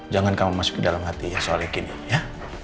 jangan kamu masuk ke dalam hati ya soalnya gini ya